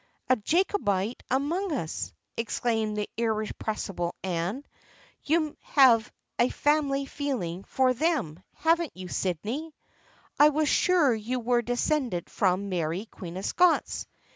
" A Jacobite among us !" exclaimed the irre pressible Anne. " You have a family feeling for them, haven't you, Sydney ? I was sure you were descended from Mary, Queen of Scots.